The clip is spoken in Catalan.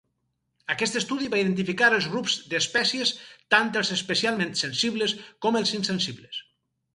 Aquest estudi va identificar els grups d'espècies tant els especialment sensibles com els insensibles.